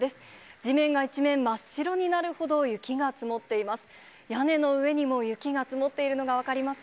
地面が一面真っ白になるほど、雪が積もっています。